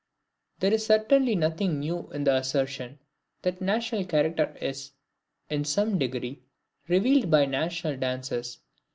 There is certainly nothing new in the assertion, that national character is, in some degree, revealed by national dances.